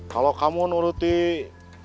kalau kamu nuruti perintah papa kamu